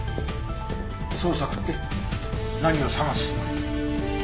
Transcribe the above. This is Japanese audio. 捜索って何を捜すつもり？